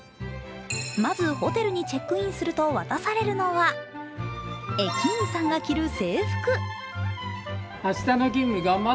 まずホテルにチェックインすると渡されるのは駅員さんが着る制服。